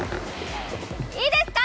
いいですか？